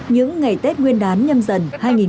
những ngày tết nguyên đán nhân dân hai nghìn hai mươi hai